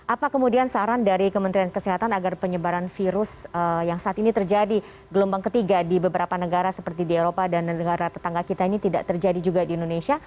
apa kemudian saran dari kementerian kesehatan agar penyebaran virus yang saat ini terjadi gelombang ketiga di beberapa negara seperti di eropa dan negara tetangga kita ini tidak terjadi juga di indonesia